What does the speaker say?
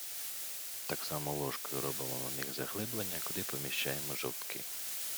Так само ложкою робимо в них заглиблення, куди поміщаємо жовтки.